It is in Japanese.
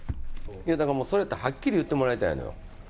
いやだからもう、それだったらはっきり言ってもらいたい。